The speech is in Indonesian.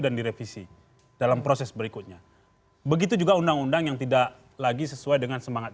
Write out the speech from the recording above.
dan direvisi dalam proses berikutnya begitu juga undang undang yang tidak lagi sesuai dengan semangat